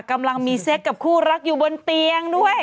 กำลังมีเซ็กกับคู่รักอยู่บนเตียงด้วย